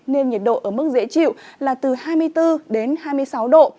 nền nhiệt độ ở mức dễ chịu là từ hai mươi bốn hai mươi năm độ